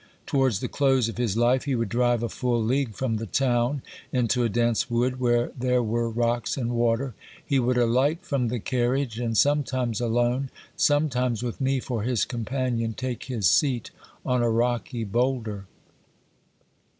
Towards the close of his Ufe he would drive a full league from the town into a dense wood where there were rocks and water; he would alight from the carriage and, sometimes alone, sometimes with me for his companion, take his seat on a rocky boulder.